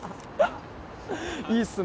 いいっすね！